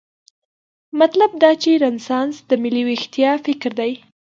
مطلب دا چې رنسانس د ملي ویښتیا فکر دی.